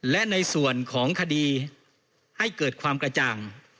และในส่วนของคดีให้เกิดความกระจ่าง